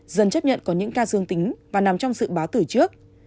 dân chấp nhận có những ca dương tính và nằm trong sự báo từ trước